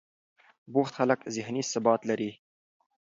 بوخت خلک ذهني ثبات لري.